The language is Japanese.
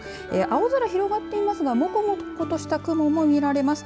青空広がっていますがもこもことした雲も見られます。